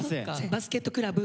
バスケットクラブ？